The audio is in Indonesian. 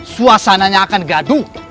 suasananya akan gaduh